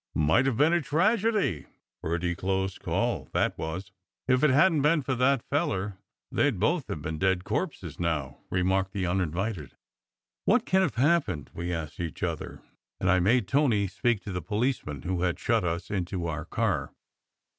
"Might ave been a tragedy!" "Pretty close call, that was." "If it hadn t been for that feller they d both have been dead corpses now!" remarked the uninvited. "What can have happened? " we asked each other, and I made Tony speak to the policeman who had shut us into our car.